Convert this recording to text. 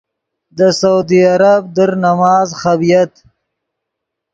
دے سعودی عرب در نماز خبییت۔